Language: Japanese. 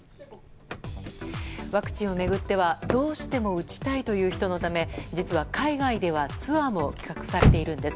ワクチンを巡ってはどうしても打ちたいという人のため実は、海外ではツアーも企画されているんです。